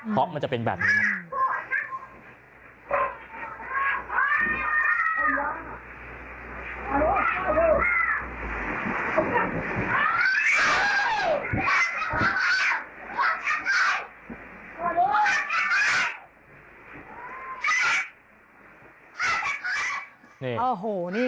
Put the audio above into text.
เพราะมันจะเป็นแบบนี้ครับ